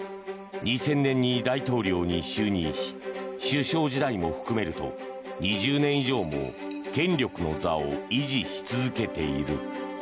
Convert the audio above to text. ２０００年に大統領に就任し首相時代も含めると２０年以上も権力の座を維持し続けている。